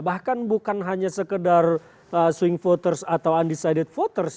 bahkan bukan hanya sekedar swing voters atau undecided voters